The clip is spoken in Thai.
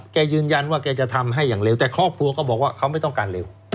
แกยืนยันว่าแกจะทำให้อย่างเร็วแต่ครอบครัวก็บอกว่าเขาไม่ต้องการเร็ว